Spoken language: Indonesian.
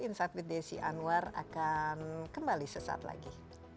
insight with desi anwar akan kembali sesaat lagi